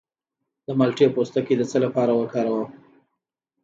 د مالټې پوستکی د څه لپاره وکاروم؟